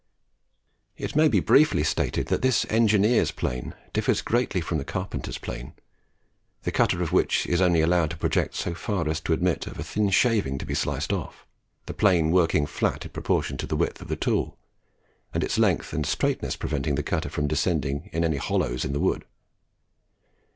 It may be briefly stated that this engineer's plane differs greatly from the carpenter's plane, the cutter of which is only allowed to project so far as to admit of a thin shaving to be sliced off, the plane working flat in proportion to the width of the tool, and its length and straightness preventing the cutter from descending into any hollows in the wood.